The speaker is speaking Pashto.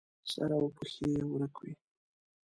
سر او پښې یې ورک وي.